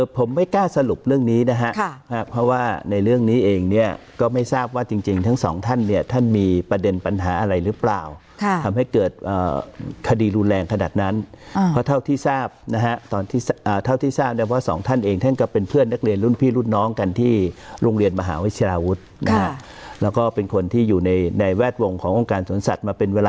ผมไม่กล้าสรุปเรื่องนี้นะครับเพราะว่าในเรื่องนี้เองเนี่ยก็ไม่ทราบว่าจริงทั้งสองท่านเนี่ยท่านมีประเด็นปัญหาอะไรหรือเปล่าทำให้เกิดคดีรุนแรงขนาดนั้นเพราะเท่าที่ทราบนะครับตอนที่เท่าที่ทราบเนี่ยว่าสองท่านเองท่านก็เป็นเพื่อนนักเรียนรุ่นพี่รุ่นน้องกันที่โรงเรียนมหาวิชาวุธแล้วก็เป็น